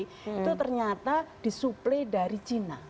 itu ternyata disuplai dari cina